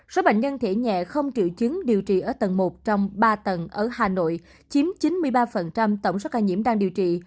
số bệnh nhân thể nhẹ không triệu chứng điều trị ở tầng một trong ba tầng ở hà nội chiếm chín mươi ba tổng số ca nhiễm đang điều trị